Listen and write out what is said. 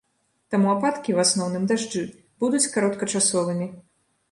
Таму ападкі, у асноўным дажджы, будуць кароткачасовымі.